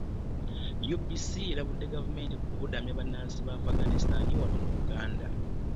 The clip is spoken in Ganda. UPC erabudde gavumenti ku kubudamya bannansi ba Afghanistan wano mu Uganda.